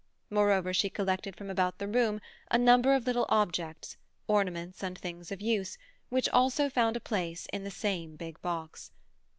Moreover, she collected from about the room a number of little objects, ornaments and things of use, which also found a place in the same big box.